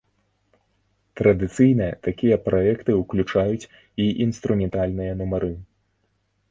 Традыцыйна такія праекты ўключаюць і інструментальныя нумары.